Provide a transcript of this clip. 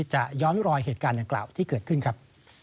ย้อนรอยเหตุการณ์ดังกล่าวที่เกิดขึ้นครับ